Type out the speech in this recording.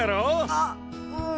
あっうん。